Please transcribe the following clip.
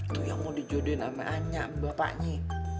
itu yang mau dijodohin ame anya bapaknya